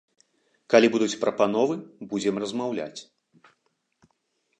Калі будуць прапановы, будзем размаўляць.